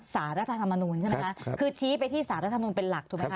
สารัฐธรรมนูนใช่ไหมคะคือชี้เป้ยที่สารัฐธรรมนูนเป็นหลัก